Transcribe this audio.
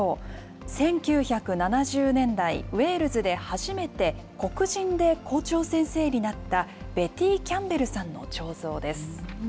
１９７０年代、ウェールズで初めて黒人で校長先生になった、ベティー・キャンベルさんの彫像です。